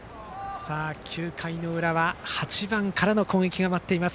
９回の裏は８番からの攻撃が待っています